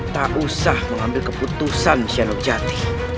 tak usah mengambil keputusan shanog jati